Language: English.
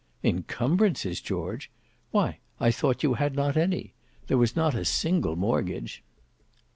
"Incumbrances, George! Why, I thought you had not any. There was not a single mortgage."